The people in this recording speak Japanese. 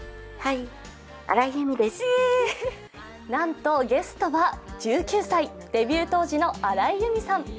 なんとゲストは１９歳デビュー当時の荒井由実さん。